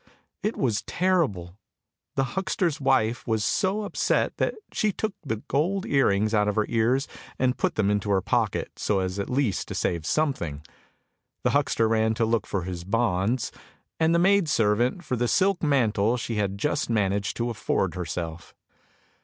It was terrible. The huckster's wife was so upset that she took the gold earrings out of her ears and put them into her pocket, so as at least to save something. The huckster ran to look for his bonds, and the maid servant for the silk mantle she had just managed to afford herself.